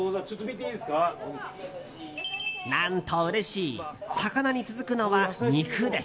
何とうれしい魚に続くのは肉です。